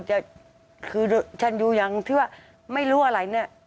จะคือฉันอยู่อย่างที่ว่าไม่รู้อะไรเนี่ย